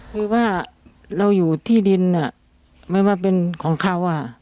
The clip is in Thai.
คือว่าเราอยู่ที่ดินไม่ว่าเป็นของเขา